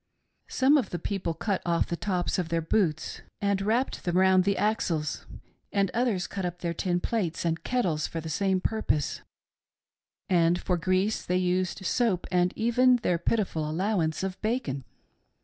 Some of ' the people cut off the tops of their boots and wrapped them round the axles, and others cut up their tin plates and kettles for the same purpose, and for grease they used soap, and even their pitiful allowance of bacon.